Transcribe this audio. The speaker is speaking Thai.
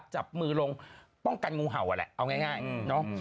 จับมือลงป้องกันงูเห่าอ่ะแหละเอาง่ายเนอะ